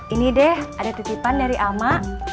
ini deh ada titipan dari ama